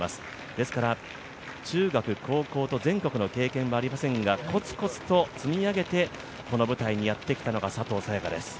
ですから、中学、高校と全国の経験はありませんが、コツコツと積み上げてこの舞台にやってきたのが佐藤早也伽です。